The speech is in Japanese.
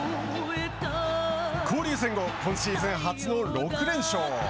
交流戦後今シーズン初の６連勝。